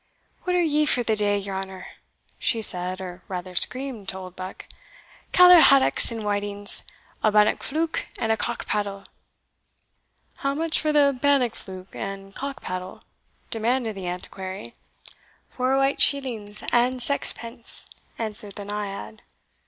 "What are ye for the day, your honour?" she said, or rather screamed, to Oldbuck; "caller haddocks and whitings a bannock fluke and a cock padle." "How much for the bannock fluke and cock padle?" demanded the Antiquary. "Four white shillings and saxpence," answered the Naiad.